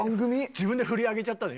自分で振りを上げちゃったよね